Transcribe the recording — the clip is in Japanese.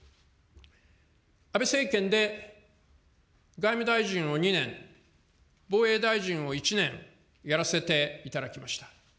安倍政権で外務大臣を２年、防衛大臣を１年やらせていただきました。